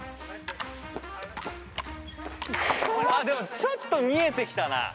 でもちょっと見えてきたな。